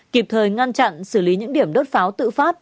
kịp thời ngăn chặn xử lý những điểm đốt pháo tự phát